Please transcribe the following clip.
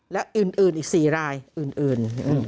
และอื่นอีก๔รายอื่น